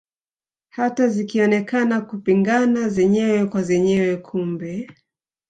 Hata zikionekana kupingana zenyewe kwa zenyewe kumbe